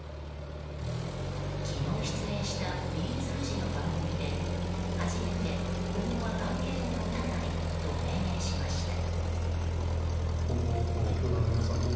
昨日出演したＢＳフジの番組で初めて今後は関係を持たないと明言しました。